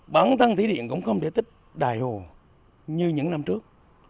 bản thân thí điện cũng không thể tích đài hồ như những năm trước